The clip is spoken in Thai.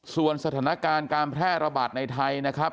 ส่วนสถานการณ์การแพร่ระบาดในไทยนะครับ